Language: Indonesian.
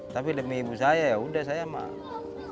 tapi demi ibu saya ya udah saya mah